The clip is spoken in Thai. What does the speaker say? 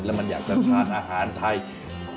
และมันอยากกำลังทานอาหารไทย